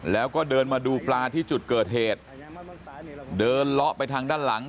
แล้วก็เดินมาดูปลาที่จุดเกิดเหตุเดินเลาะไปทางด้านหลัง